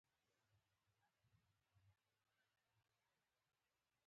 د احمد جان پوپل کور ته ولاړو.